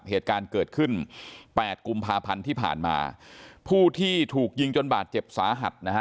เหตุการณ์เกิดขึ้นแปดกุมภาพันธ์ที่ผ่านมาผู้ที่ถูกยิงจนบาดเจ็บสาหัสนะฮะ